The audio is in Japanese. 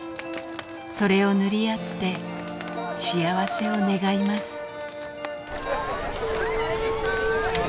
それを塗り合って幸せを願います。